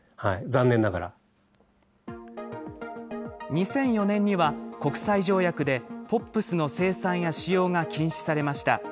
２００４年には、国際条約でＰＯＰｓの生産や使用が禁止されました。